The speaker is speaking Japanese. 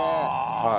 はい。